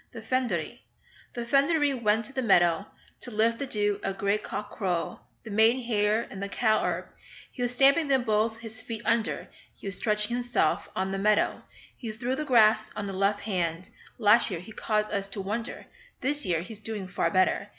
THE FYNODEREE The Fynoderee went to the meadow To lift the dew at grey cock crow, The maiden hair and the cow herb He was stamping them both his feet under; He was stretching himself on the meadow, He threw the grass on the left hand; Last year he caused us to wonder, This year he's doing far better.